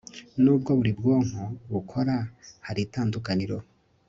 nubwo buri bwonko bukora hari itandukaniro